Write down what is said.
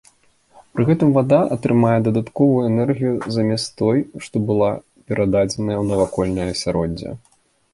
Пры гэтым вада атрымае дадатковую энергію замест той, што была перададзеная ў навакольнае асяроддзе.